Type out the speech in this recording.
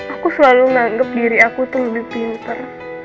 aku selalu menganggap diri aku tuh lebih pinter